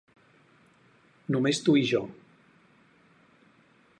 Només tu i jo.